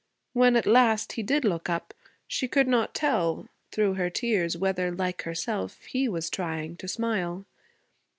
When, at last, he did look up, she could not tell, through her tears, whether, like herself, he was trying to smile.